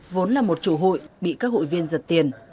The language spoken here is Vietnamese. vốn là một chủ hụi bị các hụi viên giật tiền